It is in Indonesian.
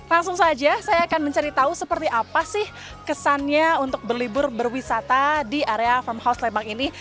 langsung saja saya akan mencari tahu seperti apa sih kesannya untuk berlibur berwisata di area from house lembang ini